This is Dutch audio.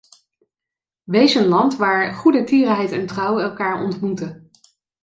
Wees een land waar goedertierenheid en trouw elkaar ontmoeten.